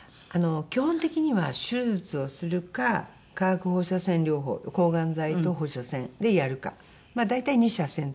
基本的には手術をするか化学放射線療法抗がん剤と放射線でやるか大体二者選択。